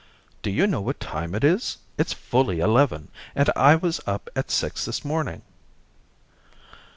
"Do you know what time it is? It's fully eleven, and I was up at six this morning."